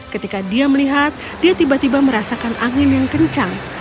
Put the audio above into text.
ketika dia melihat dia tiba tiba merasakan angin yang kencang